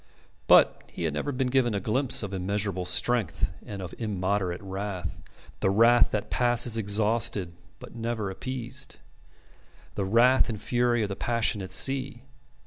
But he had never been given a glimpse of immeasurable strength and of immoderate wrath, the wrath that passes exhausted but never appeased the wrath and fury of the passionate sea.